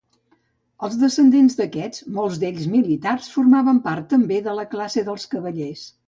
Els descendents d'aquests, molts d'ells militars, formaven part també de la classe dels cavallers.